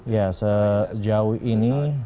ya sejauh ini